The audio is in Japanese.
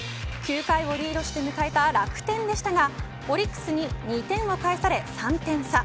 ９回をリードして迎えた楽天でしたが、オリックスに２点を返され３点差。